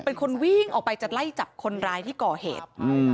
เป็นคนวิ่งออกไปจะไล่จับคนร้ายที่ก่อเหตุ